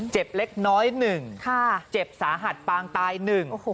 เจ็บเล็กน้อยหนึ่งค่ะเจ็บสาหัสปางตายหนึ่ง